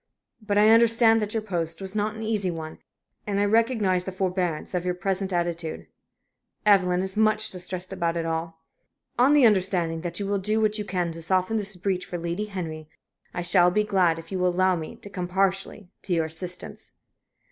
But I understand that your post was not an easy one, and I recognize the forbearance of your present attitude. Evelyn is much distressed about it all. On the understanding that you will do what you can to soften this breach for Lady Henry, I shall be, glad if you will allow me to come partially to your assistance."